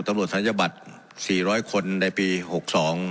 ตำลวดธัญบัตรสี่ร้อยคนในปีหกสอง